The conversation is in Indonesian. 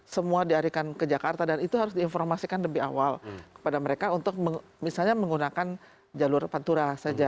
semua diarikan ke jakarta dan itu harus diinformasikan lebih awal kepada mereka untuk misalnya menggunakan jalur pantura saja